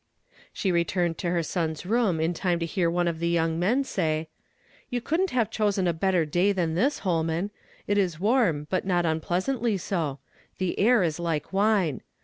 She returned to her son's room m time to hear one of the young men say. —" You coulchi't have chosen "a better day "tlmn this, Holman. It is warm, but not unpleasantly so; the air is like wine.